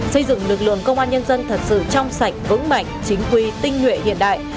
xây dựng lực lượng công an nhân dân thật sự trong sạch vững mạnh chính quy tinh nguyện hiện đại